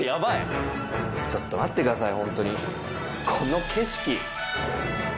ちょっと待ってくださいホントに。